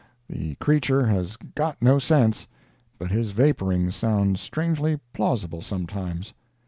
The creature has got no sense, but his vaporings sound strangely plausible sometimes.